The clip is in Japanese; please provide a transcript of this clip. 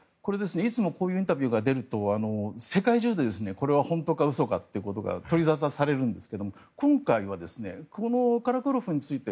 いつもこういうインタビューが出ると世界中でこれは本当か嘘かということが取り沙汰されるんですが今回は、カラクロフについて